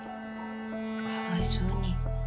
かわいそうに。